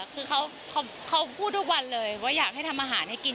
คือเขาพูดทุกวันเลยว่าอยากให้ทำอาหารให้กิน